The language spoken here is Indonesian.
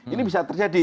ini bisa terjadi